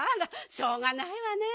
しょうがないわねえ。